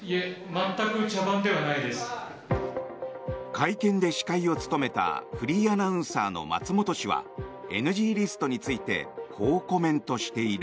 会見で司会を務めたフリーアナウンサーの松本氏はＮＧリストについてこうコメントしている。